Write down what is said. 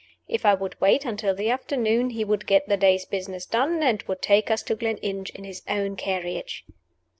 If I would wait until the afternoon, he would get the day's business done, and would take us to Gleninch in his own carriage.